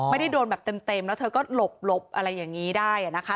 ไม่ได้โดนแบบเต็มแล้วเธอก็หลบอะไรอย่างนี้ได้นะคะ